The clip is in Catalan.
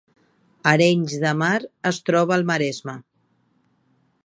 Arenys de Mar es troba al Maresme